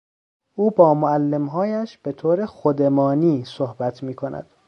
او با معلمهایش به طور خودمانی صحبت میکند.